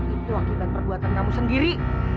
itu akibat perbuatan kamu sendiri